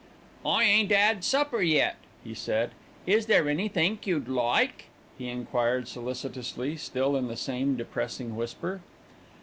"I ain't 'ad supper yet," he said. "Is there anythink you'd like?" he enquired solicitously, still in the same depressing whisper.